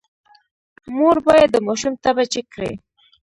مور باید د ماشوم تبه چیک کړي۔